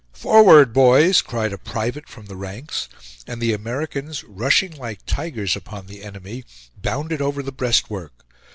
"Forward, boys!" cried a private from the ranks; and the Americans, rushing like tigers upon the enemy, bounded over the breastwork.